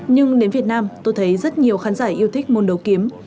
nhưng đến việt nam tôi thấy rất nhiều khán giả yêu thích môn đầu kiếm